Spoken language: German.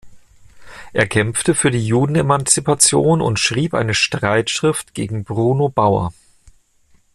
Er kämpfte für die Judenemanzipation und schrieb eine Streitschrift gegen Bruno Bauer.